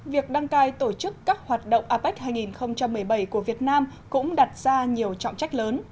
việc đăng cai tổ chức các hoạt động apec hai nghìn một mươi bảy của việt nam cũng đặt ra nhiều trọng trách lớn